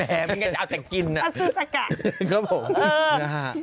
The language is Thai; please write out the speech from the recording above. แหมมันก็จะเอาแต่กินอ่ะครับครับผมภาษุสักกะ